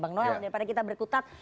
bang noel daripada kita berkutat